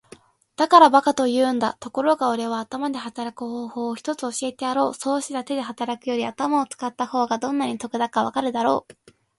「だから馬鹿と言うんだ。ところがおれは頭で働く方法を一つ教えてやろう。そうすりゃ手で働くより頭を使った方がどんなに得だかわかるだろう。」